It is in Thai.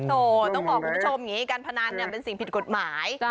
ต้องบอกคุณผู้ชมอย่างนี้การพนันเป็นสิ่งผิดกฎหมาย